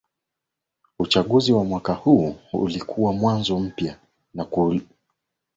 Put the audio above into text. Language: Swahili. Uchaguzi wa mwaka huo ulikuwa mwanzo mpya na uliiletea Kenya mabadiliko makuu ya kisiasa